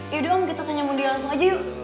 yaudah om kita tanya mohon di langsung aja yuk